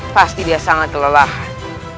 pasti dia sangat kelelahan